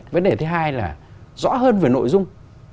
vấn đề thứ hai là rõ hơn về nội dung